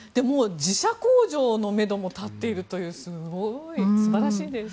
自社工場のめども立っているという素晴らしいです。